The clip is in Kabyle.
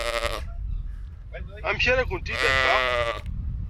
Amek ara ken-id-afeɣ?